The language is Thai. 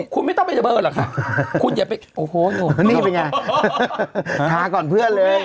คุณไม่ต้องเป็นเบอร์แหละคุณอย่าไปโห้นี่มันเป็นยังไงช้าก่อนเพื่อนเลย